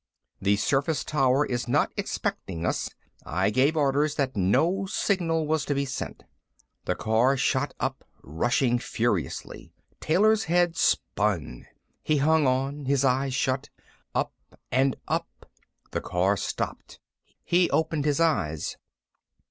The surface tower is not expecting us. I gave orders that no signal was to be sent." The car shot up, rushing furiously. Taylor's head spun; he hung on, his eyes shut. Up and up.... The car stopped. He opened his eyes.